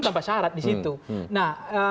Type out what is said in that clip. tanpa syarat disitu nah